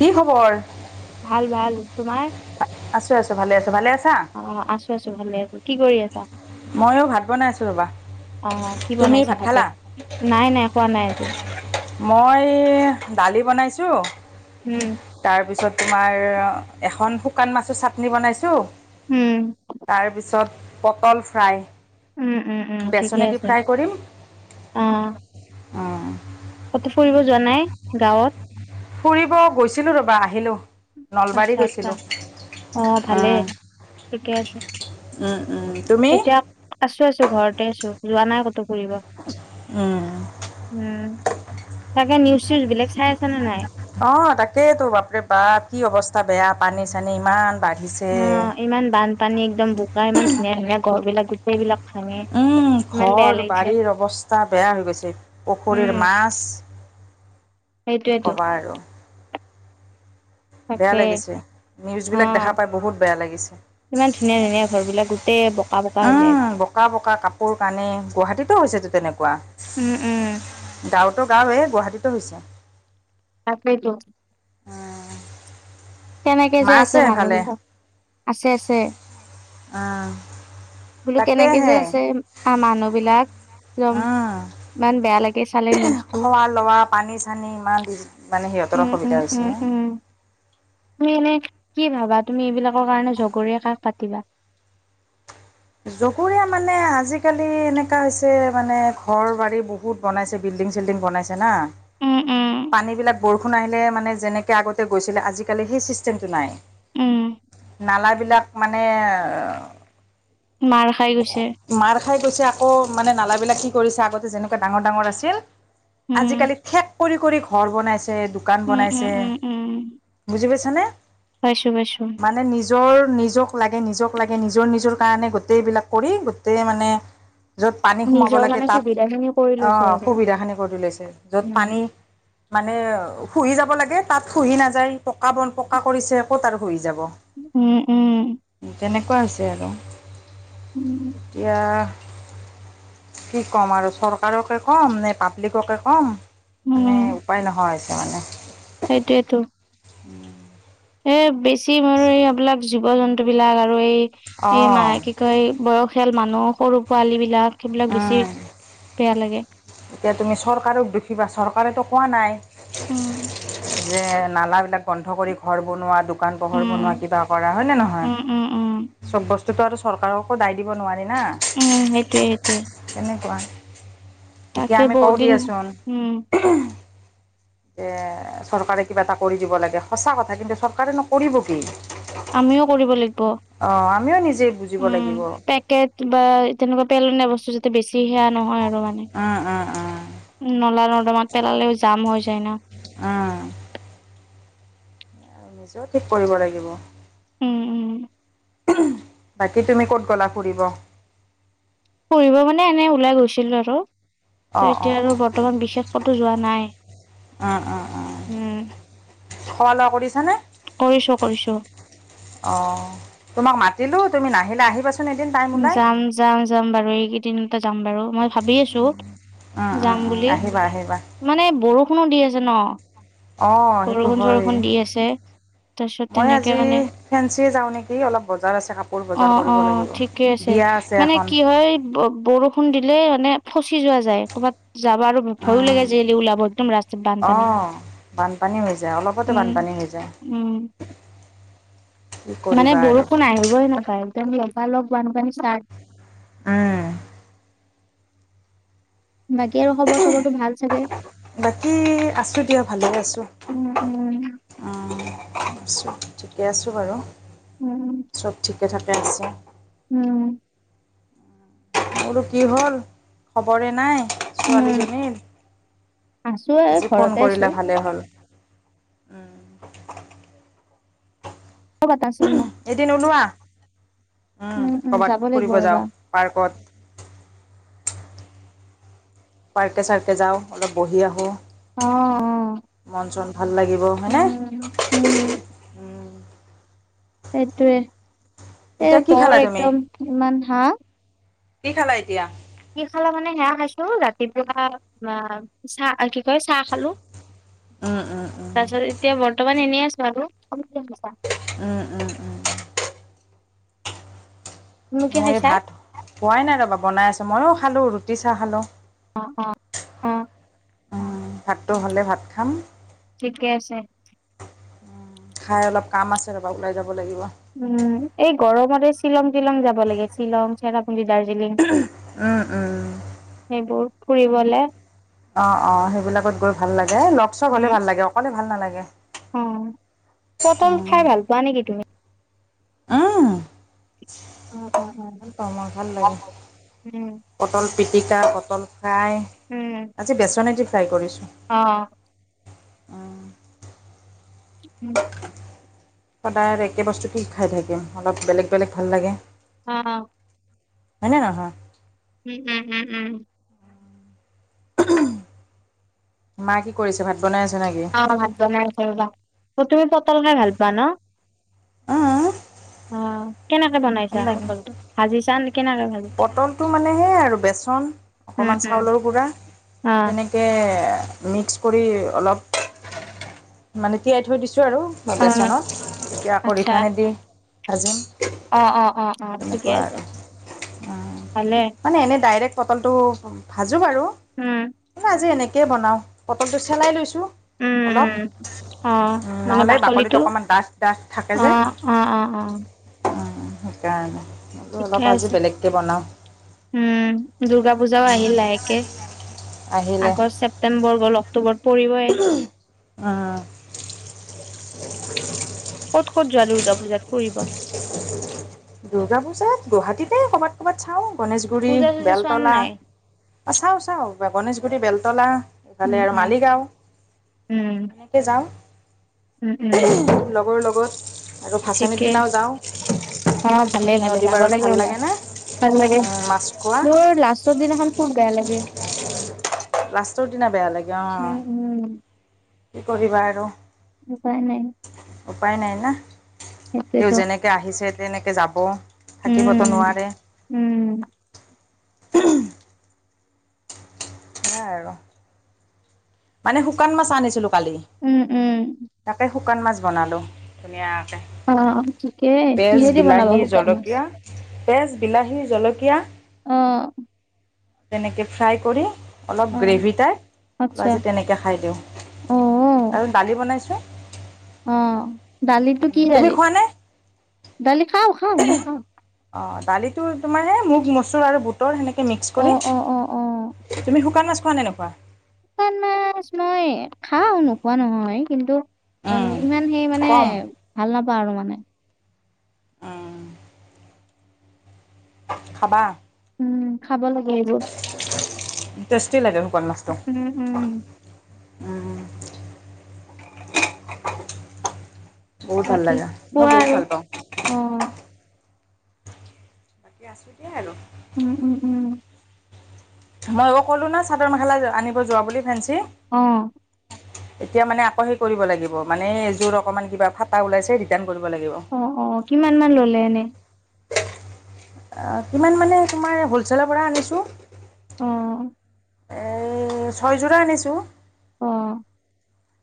কি খবৰ ভাল ভাল তোমাৰ আছো আছো ভালে আছো ভালে আছা অ আছো আছো ভালে আছো কি কৰি আছা ময়ো ভাত বনাই আছো ৰ'বা অ কি তুমি বনাইছে ভাত খালা ভাতত নাই নাই কোৱা নাই আজি মই দালি বনাইছোঁ হু তাৰপিছত তোমাৰ এখন শুকান মাছৰ চাটনি বনাইছো উম তাৰ পিছত পটল ফ্ৰাই উম উম উম ঠিকে বেচনেদি আছে ফ্ৰাই কৰিম অ অ কতো ফুৰিব যোৱা নাই গাঁৱত ফুৰিব গৈছিলো ৰবা আহিলো আচ্ছা নলবাৰী আচ্ছা গৈছিলো অ ভালে উম, ঠিকে আছে উম, উম, তুমি এতিয়া আছো আছো ঘৰতে আছো যোৱা নাই ক'তো ফুৰিব উম উম তাকে নিউজ চিউজ বিলাক চাই আছা নে নাই অ তাকেই তো বাপৰে বাপ কি অৱস্থা বেয়া পানী চানী ইমান বাঢ়িছ অ ইমান বানপানী একদম বোকা ইমান ধুনীয়া ধুনীয়া ঘৰ বিলাক গোটেই বিলাক ভাঙে উম ইমান বেয়া ঘৰ লাগিছে বাৰীৰ অৱস্থা বেয়া হৈ গৈছে উম পুখুৰীৰ মাছ কি সেইটোয়েতো ক'বা আৰু। বেয়া তাকে লাগিছে, নিউজবিলাক অ দেখা পাই বহুত বেয়া লাগিছে। ইমান ধুনীয়া ধুনীয়া ঘৰ বিলাক গোটেই বোক বোকা হৈ যায়। উম, বোকা বোকা কাপোৰ কানে গুৱাহাটীতো হৈছেতো তেনেকুৱা। উম উম। গাঁৱতো গাঁওৱ গুৱাহাটীতো হৈছে। তাকেটো। কেনেকে যে আছে মাছে মানুহ এফালে বিলাক, আছে আছে। উম, বোলো কেনেকে যে তাকেহে আছে। আৰু মানুহ বিলাক একদম, উম। ইমান বেয়া লাগে চালে নিউজটো। খোৱা লোৱা পানী চানী ইমান দিন। উম উম উম উম। তুমি এনে কি ভাবা তুমি এইবিলাকৰ কাৰণে জগৰীয়া কাক পাতিবা? জকুৰীয়া মানে আজিকালি এনেকা হৈছে মানে ঘৰ বাৰী বহুত বহুত বনাইছে বিল্ডিং চিল্ডিং বনাইছে না। উম উম পানীবিলাক বৰষুণ আহিলে মানে যেনেকৈ আগতে গৈছিলে আজিকালি সেই ছিষ্টেমটো নাই। উম নাল বিলাক মানে। মাৰ খাই গৈছে। মাৰ খাই গৈছে আকৌ মানে নালাবিলাক কি কৰিছে আগতে যেনেকুৱা ডাঙৰ ডাঙৰ আছিল। উম আজিকালি ঠেক কৰি কৰি ঘৰ বনাইছে দোকান উম উম বনাইছে। উম উম বুজি পাইছানে। আছো আছো। মানে নিজৰ নিজক লাগে নিজক লাগে নিজৰ নিজৰ কাৰণে গোটেইবিলাক কৰি গোটেই মানে- য'ত পানী সোমাব নিজৰ লাগে মানে তাত, সুবিধা খিনি কৰি লৈছে আৰু। সুবিধাখিনি কৰি লৈছে য'ত উম পানী- মানে শুহি যাব লাগে তাত শুহি নাযায় পকা বন পকা কৰিছে ক'ত আৰু শুহি যাব। উম উম। তেনেকুৱা আছে আৰু। উম। এতিয়া- কি ক'ম আৰু চৰকাৰকে ক'ম নে পাব্লিককে কম। মানে উপায় নোহোৱা হৈছে মানে। সেইটোৱেটো। এ বেছি মোৰ এই এইবিলাক জীৱ জন্তু বিলাক আৰু এই এই অ' মাহেকী- এই বয়সীয়াল মানুহ সৰু পোৱালী বিলাক সেইবিলাক উম। বেছি বেয়া লাগে। এতিয়া তুমি চৰকাৰক দুখীবা চৰকাৰেতো কোৱা নাই। উম যে নালা বিলাক বন্ধ কৰি ঘৰ বনোৱা দু দোকান পোহৰ বনোৱা উম কিবা কৰা হয়'নে নহয়। উম উম চব বস্তুতটো আৰু চৰকাৰকো দায় দিব নোৱাৰি না। উম সেইটোৱে সেইটোৱে। তেনেকুৱা, এতিয়া আমি বহুত কওঁ দিন দিয়াচোন। উম চৰকাৰে কিবা এটা কৰি দিব লাগে সঁচা কথা কিন্তু চৰকাৰে নকৰিব কি। আমিও কৰিব লাগিব। অ আমিও নিজে বুজিব লাগিব। কেট বা তেনেকুৱা পেলনীয়া বস্তু যাতে বেছি হে আনা নহয় আৰু মানে। উম উম। নলা নৰ্দমাত পেলালেও জাম হৈ যায় না- অ [unintelligible] নিজেও ঠিক কৰিব লাগিব- উম উম- বাকী তুমি ক'ত গ'লা ফুৰিব- ফুৰিব মানে এনে ওলাই গৈছিল আৰু ত অঁ অঁ এতিয়া আৰু অঁ বৰ্তমান বিশেষ কতো যোৱা নাই। উ উ উ উম খোৱা লোৱা কৰিছানে- কৰিছো কৰিছো অঁ তোমাক মাতিলোঁ তুমি নাহিলা আহিবাচোঁন- যাম যাম যাম বাৰু এইকেইদিনতে যাম বাৰু মই ভাবি আছোঁ- উম উম যাম উম বুলি আহিবা আহিবা মানে বৰষুণো দি আছে ন- অঁ সেইটো বৰষুণ হয়- চৰষুণ দি আছে তাৰপিছত মই তেনেকে আজি মানে ফেঞ্চিয়ে যাওঁ নেকি অলপ বজাৰ আছে কাপোৰ অ বজাৰ অ কৰিব লাগিব- ঠিকে আছে বিয়া মানে এখন কি হয় বৰষুণ দিলে মানে ফচি যোৱা যায়- ক'ৰবাত যাব আৰু ভয়ো লাগে যে ওলাব একদম ৰাস্তা- অঁ বানপানী হৈ যায় অলপতে উম বানপানী হৈ যায়- উম কি মানে কৰিবা আৰু বৰষুণ আহিবই নাপায় তেওঁ লগা লগ বানপানী [unintelligible] উম- বাকী আৰু খবৰ চবৰটো ভাল চাগে- বাকী আছোঁ দিয়া ভালে আছোঁ উম উম- উম, ঠিকে আছোঁ বাৰু উম চব ঠিকে থাকে আছে উম বোলো কি হ'ল খবৰে নাই উম ছোৱালীজনীৰ আছো এ আজি ফোন ঘৰতে আছো কৰিলে ভালে হ'ল- উম [unintelligible] [unintelligible] আছিল ন- এদিন ওলোৱা উম উম উম কৰবাত যাব লাগিব ফুৰিব যাওঁ ৰবা পাৰ্কত- পাৰ্কে চাৰ্কে যাওঁ অলপ বহি আহোঁ অ অ মন চন ভাল লাগিব হয়নে [inaudible] উম, সেইটোৱে এতিয়া এ কি খালা বৰ তুমি একদম ইমান হা কি খালা এতিয়া কি খালা মানে সেয়া খাইছো ৰাতিপুৱা বা চাহ অ কি কয় চাহ খালো উম উম উম তাৰ পিছত এতিয়া বৰ্তমান এনেই আছো আৰু [unintelligible] উম উম উম। তুমি কি মই এই খাইছা ভাত খোৱাই নাই ৰ'বা বনাই আছো ময়ো খালোঁ ৰুটি চাহ খালোঁ [inaudible] অ উম ভাতটো হ'লে ভাত খাম ঠিকে আছে হয় অলপ কাম আছে ৰবা ওলাই যাব লাগিব উম এই গৰমত শ্বিলং টিলং যাব লাগে শ্বিলং চেৰাপুঞ্জী দাৰ্জিলিং উম, উম। সেইবোৰ ফুৰিবলে অঁ অঁ সেইবিলাকত গৈ ভাল লাগে এ লগ চগ হ'লে উম ভাল লাগে অকলে ভাল নালাগে অ পটল উম, খাই ভাল পোৱা নেকি তুমি উম, অ অ ভাল পাওঁ মই ভাল অ অ লাগে। উম পটল পিটিকা পটল ফ্ৰাই উম আজি বেচনেদি ফ্ৰাই কৰিছোঁ অ উম, [inaudible] সদায় আৰু একে বস্তু কি খাই থাকিম অলপ বেলেগ বেলেগ ভাল লাগে অ হয়নে নহয় উম উম উম উম মা কি কৰিছে ভাত বনাই আছে নেকি অ ভাত বনাই আছে ৰবা অ তুমি পটল খাই ভাল পোৱা ন অঁ- অ অ কেনেকে বনাইছা পটলটো ভাজিছা নে কেনেকে ভাজিছা পটলটো মানে সে আৰু বেচন উম, অকমান উম, চাউলৰ গুৰা অ', তেনেক কে মিক্স কৰি অলপ মানে তিঁয়াই থৈ দিছো আৰু অ', বেচনত এতিয়া আকৌ আচ্ছা ৰিফাইনেদি ভাজিম অ', অ', অ', অ', ঠিকে তেনেকুৱা আছে আৰু ভালে মানে এনে ডাইৰেক্ট পটলটো ভাজোঁ বাৰু উ যে এনেকে বনাও পটলটো চেলাই লৈছো উম, অলপ উম, অ', মানে নহ'লে বাকলিতো বাকলিটো অকমান ডাঠ ডাঠ থাকে যে অ', অ', অ', অ', উম সেইকাৰণে বোলো ঠিকে অলপ আজি আছে বেলেগকৈ বনাওঁ উম দূৰ্গা পূজাও আহিল লাহেকে আহিলে আগচ ছেপ্তেম্বৰ গ'ল অক্টোবৰত পৰিবই অ'। ক'ত ক'ত যোৱা দুৰ্গা পূজাত ফুৰিব। দুৰ্গা পূজাত গুৱাহাটীতে ক'বাত ক'বাত চাওঁ গনেশগুৰি পূজা চূজা চোৱা নে বেলতলা। নাই? অ চাও চাওঁ বে গণেশগুৰি বেলতলা। এইফালে উম, আৰু উম, মালিগাঁও উম, এনেকে যাওঁ উম, উম, লগৰ লগত আৰু ভাচনিৰ ঠিকে দিনাও যাওঁ অ ভালে ভালে নদী যাব পাৰত লাগে ভাল বুলে না ভাল লাগে মাছ খোৱা মোৰ লাষ্ট ত দিনাখন খুপ গাই লাগে লাষ্টৰ দিনা বেয়া লাগে উম, অ'। উম, কি কৰিবা আৰু। উপায় নাই। উপায় নাই না তেওঁ সেইটোৱেতো যেনেকে আহিছে তেনেকে যাব। থাকিবতো উম, নোৱাৰে। উম। সেইয়াই আৰু মানে শুকান মাছ আনিছিলো কালি। উম উম। তাকে শুকান মাছ বনালো ধুনীয়াকে। অ', ঠিকেই পিয়াজ কিহেদি বনাবা বিলাহী শুকান মাছ? জলকীয়া পেজ বিলাহী জলকীয়া অ'। তেনেকে ফ্ৰাই কৰি অলপ অ', গ্ৰেভি টাইপ আচ্ছা আজি তেনেকে খাই দিওঁ অ', আৰু দালি বনাইছোঁ অ' দালটো কি তুমি দালি, খোৱানে দালি খাও খাও মই খাওঁ অ' দালিটো তোমাৰে এ মগ-মচুৰ আৰু বুটৰ সেনেক কে মিক্স কৰি অ', অ', অ', অ', তুমি শুকান মাছ খোৱা নে নোখোৱা? শুকান মাছ মই খাওঁ নোকোৱা নহয় কিন্তু উম ইমান সেই মানে কম ভাল নাপাওঁ আৰু মানে অ খাবা উম খাব লাগে সেইবো টেষ্টি লাগে শুকান মাছটো উম উম উম বহুত ভাল বাকী লাগে মই কোৱা বহত আৰু ভাল পাওঁ অ দিয়া আছোঁ দিয়া আৰু উম উম উম মই আক ক'লো ন চাদৰ-মেখেলা আনিব যোৱা বুলি ফেঞ্চি অ এতিয়া মানে আকৌ সেই কৰিব লাগিব মানে এযোৰ অকমান কিবা ফাটা ওলাইছে ৰিটাৰ্ণ কৰিব লাগিব। অ অ কিমান মান ললে এনে অ কিমান মানে তোমাৰ হ'লচেলৰ পৰা আনিছোঁ অ এই ছয়যোৰা আনিছোঁ। অ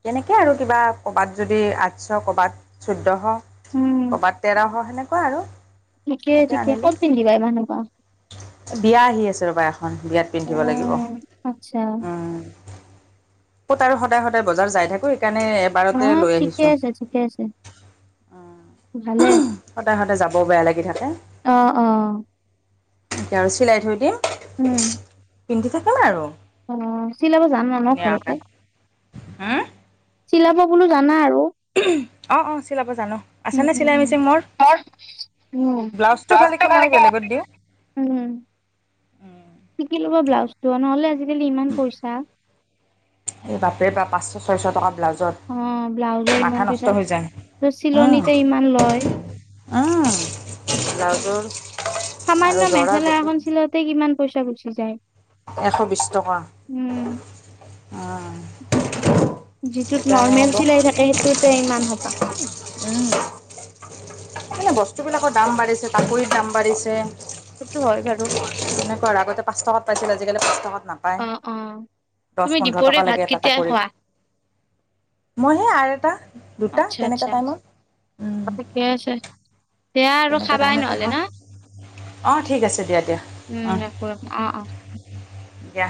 তেনেকে আৰু কিবা কবাত যদি আঠশ কবাত চৈধ্যশ কবাত তেৰশ সেনেকুৱা আৰু ঠিকে এনেকৈ ঠিকে আনিলোঁ ক'ত পিন্ধিবা ইমান সুপা বিয়া আহি আছে ৰবা এখন বিয়াত পিন্ধিব লাগিব। আটচ্ছা। ক'ত আৰু সদায় সদায় বজাৰ যাই থাকো সেইকানে হয় ঠিকে আছে ঠিকে আছে ভালে। সদায় সদায় যাব বেয়া লাগি থাকে অ অ এতিয়া আৰু চিলাই থৈ দিম উম পিন্ধি থাকিম আৰু অ চিলাব জানা ন ঘৰত? হম চিলাব বোলো জানা আৰু অ অ চিলাব জানো উম আছেনে উম চিলাই উম মিচিং মোৰ ব্লাউজটো খালি কি মই বেলেগত দিওঁ উম শিকি ল'ব ব্লাউজটো নহ'লে আজিকালি ইমান পইচা এই বাপেৰে বা পাঁচশ, ছয়শ টকা ব্লাউজত অ ব্লাউজৰ মাথা ইমান নষ্ট পইচা হৈ যায় উম চিলনিতে ইমান লয় উম। সামান্য আৰু জৰা মেখেলা গোটেই এখন চিলাওঁতে কিমান পইচা গুচি যায়? এশ বিশ টকা। উম। উম যিটোত সেইকাৰণে নৰ্মেল বোলো চিলাই থাকে সেইটোতে ইমান হোপাহ। উম। মানে বস্তুবিলাকৰ দাম বাঢ়িছে, কাপোৰৰ দাম বাঢ়িছে। সেইটো হয় বাৰু। তেনেকুৱাই, আগতে পাঁচ টকাত পাইছিল, আজিকালি পাঁচ টকাত না- হয় অ অ দহ, তুমি পোন্ধৰ টকা দুপৰীয়া ভাত লাগে এটা কেতিয়া তাকৰিত। খোৱা মই সেই আৰু এটা- দুটা আচ্ছা তেনেকুৱা আচ্ছা, টাইমত উম ঠিকে আছে। সেয়া আৰু তেনেকুৱা খাবাই টাইমতে নহ'লে ন। খাওঁ অঁ ঠিক আছে দিয়া দিয়া উম ন ক অঁ অঁ। দিয়া।